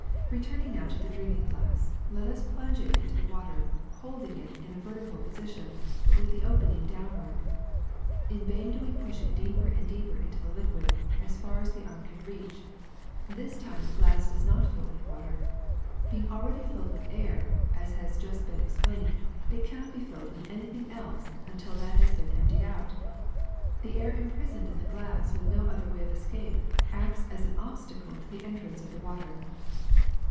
^^Eeturning now to the drinking glass, let us plunge it into the water, holding it in a vertical posi tion but with the opening downward. In vain do we push it deeper and deeper into the liquid as far as the arm can reach; this time the glass does not fill with water. Being already filled with air, as has just been explained, it cannot be filled with anything else until that has been emptied out. The air im prisoned in the glass vdih no way of escape acts as an obstacle to the entrance of the water.